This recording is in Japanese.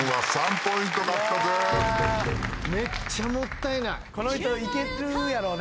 めっちゃもったいない。